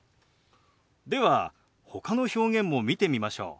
ではほかの表現も見てみましょう。